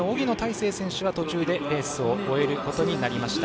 成選手は途中でレースを終えることになりました。